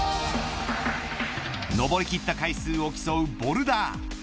登りきった回数を競うボルダー